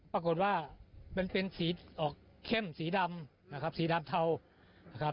ปรากฏว่ามันเป็นสีออกเข้มสีดำนะครับสีดำเทานะครับ